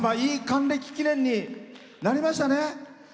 いい還暦記念になりましたね。